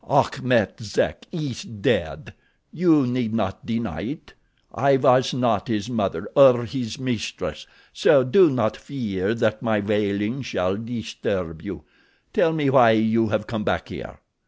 "Achmet Zek is dead—you need not deny it. I was not his mother, or his mistress, so do not fear that my wailings shall disturb you. Tell me why you have come back here.